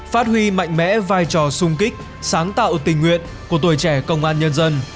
phát huy mạnh mẽ vai trò sung kích sáng tạo tình nguyện của tuổi trẻ công an nhân dân